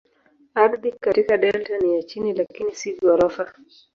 Ardhi katika delta ni ya chini lakini si ghorofa.